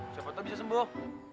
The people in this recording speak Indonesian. siapa tau bisa sembuh